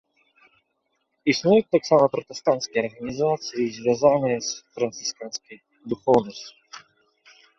Існуюць таксама пратэстанцкія арганізацыі, звязаныя з францысканскай духоўнасцю.